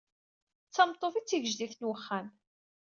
D tameṭṭut i tigejdit n uxxam.